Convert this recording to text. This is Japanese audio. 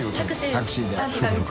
タクシーで。